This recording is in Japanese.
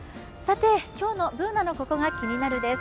今日のＢｏｏｎａの「ココがキニナル」です。